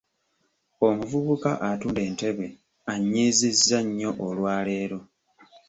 Omuvubuka atunda entebe annyiizizza nnyo olwaleero.